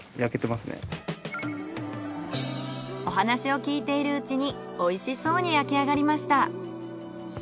お話を聞いているうちにおいしそうに焼き上がりました。